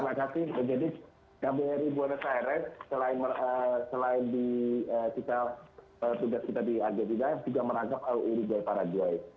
terima kasih jadi kbri buenos aires selain di tugas kita di argentina juga merangkap al uribay para juai